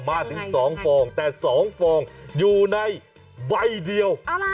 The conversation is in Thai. มาถึง๒ฟองแต่๒ฟองอยู่ในใบเดียว